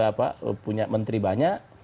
apa punya menteri banyak